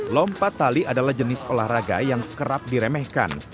lompat tali adalah jenis olahraga yang kerap diremehkan